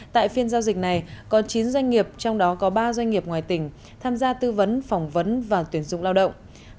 tại phiên giao dịch này có chín doanh nghiệp trong đó có ba doanh nghiệp ngoài tỉnh tham gia tư vấn phỏng vấn và tuyển dụng lao động